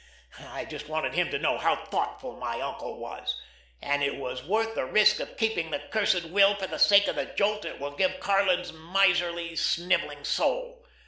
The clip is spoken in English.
I just wanted him to know how thoughtful my uncle was, and it was worth the risk of keeping the cursed will for the sake of the jolt it will give Karlin's miserly, snivelling soul.